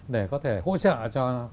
để có thể hỗ trợ cho